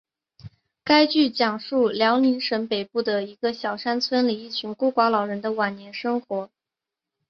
该剧讲述辽宁省北部一个小山村里一群孤寡老人的晚年生活。